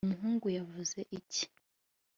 umuhungu yavuze iki